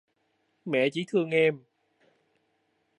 mẹ chỉ thương em